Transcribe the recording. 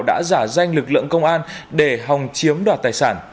đã giả danh lực lượng công an để hòng chiếm đoạt tài sản